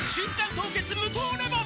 凍結無糖レモン」